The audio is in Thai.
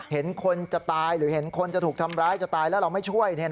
เห็นคนจะตายหรือเห็นคนจะถูกทำร้ายจะตายแล้วเราไม่ช่วย